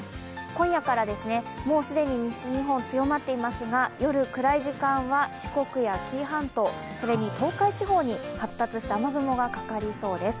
今夜からもう既に西日本強まっていますが、夜、暗い時間は四国や紀伊半島それに東海地方に発達した雨雲がかかりそうです。